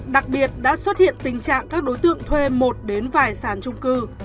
đặc biệt đã xuất hiện tình trạng các đối tượng thuê một đến vài sàn trung cư